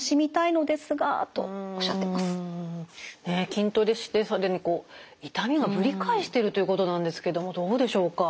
筋トレして更に痛みがぶり返してるということなんですけどもどうでしょうか？